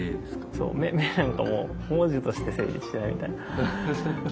「メ」なんかも文字として成立してないみたいな。